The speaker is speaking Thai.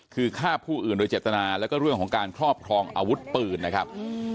คือฆ่าผู้อื่นโดยเจตนาแล้วก็เรื่องของการครอบครองอาวุธปืนนะครับ